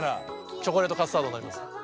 チョコレート・カスタードになります。